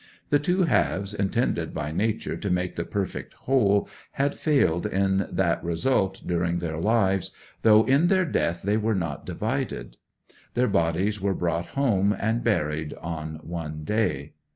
The two halves, intended by Nature to make the perfect whole, had failed in that result during their lives, though "in their death they were not divided." Their bodies were brought home, and buried on one day.